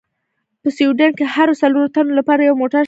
په سویډن کې د هرو څلورو تنو لپاره یو موټر شته دي.